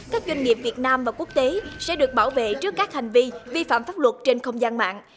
các doanh nghiệp việt nam và quốc tế sẽ được bảo vệ trước các hành vi vi phạm pháp luật trên không gian mạng